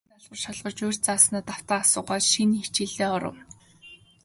Багш гэрийн даалгавар шалгаж, урьд зааснаа давтан асуугаад, шинэ хичээлдээ оров.